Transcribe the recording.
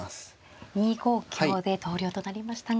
２五香で投了となりましたが。